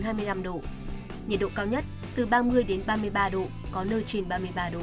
nhiệt độ cao nhất từ ba mươi ba mươi ba độ có nơi trên ba mươi ba độ